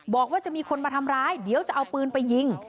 บอกว่าจะมีคนมาทำร้ายเดี๋ยวจะเอาปืนไปยิง